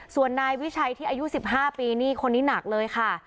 ส่วนนายวิชัยที่อายุ๑๕ปีนี่คนนี้หนักเลยค่ะ